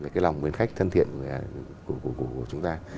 cái lòng mến khách thân thiện của chúng ta